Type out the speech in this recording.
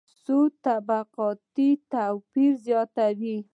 سود طبقاتي توپیر زیاتوي.